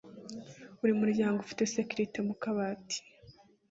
Buri muryango ufite skeleti mu kabati.